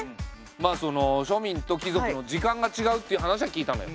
まあその庶民と貴族の時間がちがうっていう話は聞いたのよ。